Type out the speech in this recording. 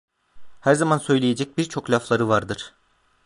Her zaman söyleyecek birçok lafları vardır.